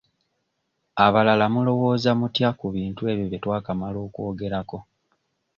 Abalala mulowooza mutya ku bintu ebyo bye twakamala okwogerako?